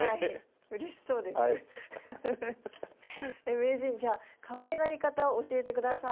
名人じゃあかわいがり方教えて下さい。